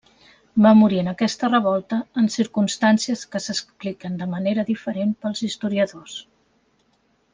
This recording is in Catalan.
Va morir en aquesta revolta en circumstàncies que s'expliquen de manera diferent pels historiadors.